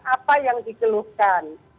apa yang dikeluhkan